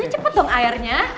cepet dong airnya